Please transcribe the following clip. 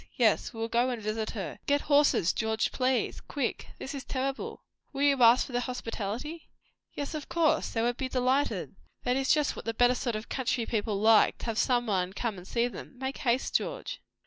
Yes, we will go and visit her. Get horses, George, please! Quick. This is terrible." "Will you ask for their hospitality?" "Yes, of course. They would be delighted. That is just what the better sort of country people like, to have somebody come and see them. Make haste, George."